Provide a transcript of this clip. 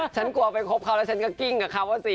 ฉันกลัวไปคบเขาแล้วฉันก็กิ้งกับเขาอ่ะสิ